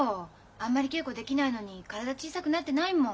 あんまり稽古できないのに体小さくなってないもん。